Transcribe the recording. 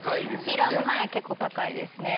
ピーラーも結構高いですね。